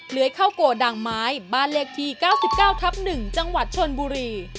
เลื้อยเข้าโกดังไม้บ้านเลขที่๙๙ทับ๑จังหวัดชนบุรี